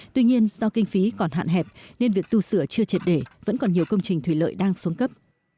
tuy nhiên do kinh phí còn hạn hẹp nên việc tu sửa chưa triệt để vẫn còn nhiều công trình thủy lợi đang xuống cấp